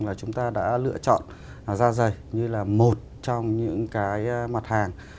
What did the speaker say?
là chúng ta đã lựa chọn da dày như là một trong những cái mặt hàng